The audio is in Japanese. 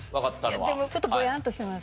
でもちょっとボヤッとしてます。